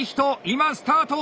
今スタート！